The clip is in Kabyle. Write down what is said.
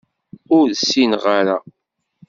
Ur ssineɣ ara.